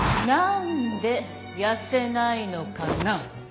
何で痩せないのかな？